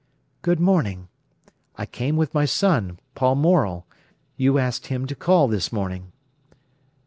"Good morning. I came with my son, Paul Morel. You asked him to call this morning."